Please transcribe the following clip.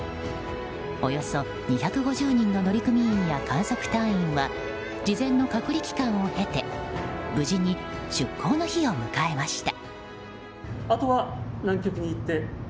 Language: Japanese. およそ２５０人の乗組員や観測隊員は事前の隔離期間を経て無事に出航の日を迎えました。